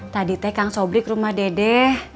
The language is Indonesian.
tadi teh kang sobri ke rumah dede